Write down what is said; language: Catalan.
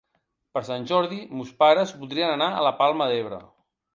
Per Sant Jordi mons pares voldrien anar a la Palma d'Ebre.